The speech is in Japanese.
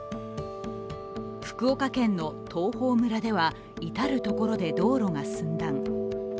福岡県の東峰村では至る所で道路が寸断。